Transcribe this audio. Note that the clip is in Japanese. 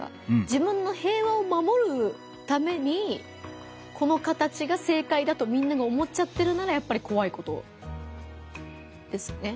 自分の平和をまもるためにこの形が正解だとみんなが思っちゃってるならやっぱりこわいことですね。